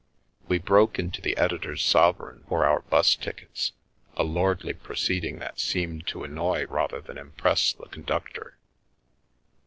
We broke into the editor's sovereign for our 'bus tickets — a lordly proceeding that seemed to annoy rather than impress the conductor.